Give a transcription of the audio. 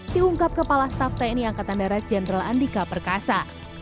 diungkap kepala staff tni angkatan darat jenderal andika perkasa